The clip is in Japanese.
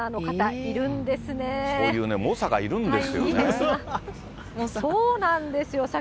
そういうね、猛者がいるんですよね。